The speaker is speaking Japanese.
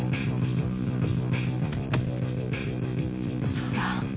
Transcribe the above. そうだ。